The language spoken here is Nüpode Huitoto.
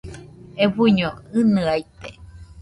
Euiño ɨnɨaite.